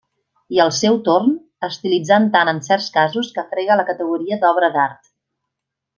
I al seu torn, estilitzant tant en certs casos que frega la categoria d'obra d'art.